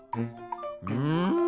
うん。